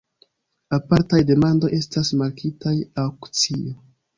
Apartaj demandoj estas markitaj aŭkcio.